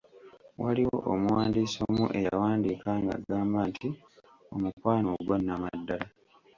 Waliwo omuwandiisi omu eyawandiika nga agamba nti "Omukwano ogwa Nnamaddala"